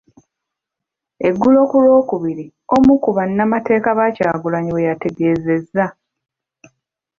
Eggulo ku Lwokubiri, omu ku bannamateeka ba Kyagulanyi bwe yategeezezza.